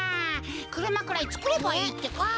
くるまくらいつくればいいってか。